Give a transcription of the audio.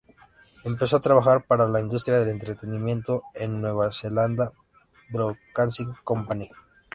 Empezó a trabajar para la industria del entretenimiento en la New Zealand Broadcasting Company.